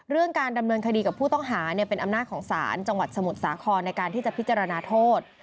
เรื่องการดำเนินคดีกับผู้ต้องหาเป็นอำนาจของศาลจังหวัดสมุทรสาครในการที่จะพิจารณาโทษ